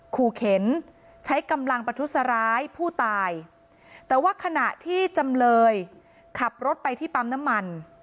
ขู่เข็นใช้กำลังประทุษร้ายผู้ตายแต่ว่าขณะที่จำเลยขับรถไปที่ปั๊มน้ำมัน